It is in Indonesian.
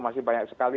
masih banyak sekali